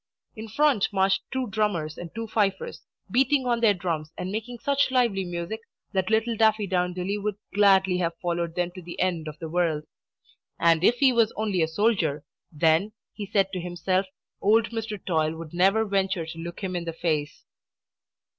In front marched two drummers and two fifers, beating on their drums and making such lively music that little Daffydowndilly would gladly have followed them to the end of the world. And if he was only a soldier, then, he said to himself, old Mr. Toil would never venture to look him in the face.